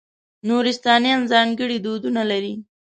نورستانیان ځانګړي دودونه لري.